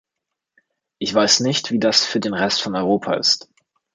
Ich weiß nicht, wie das für den Rest von Europa ist.